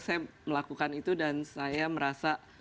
saya melakukan itu dan saya merasa